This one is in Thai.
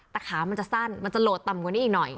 แต่ขามันจะสั้นมันจะโหลดต่ำกว่านี้อีกหน่อย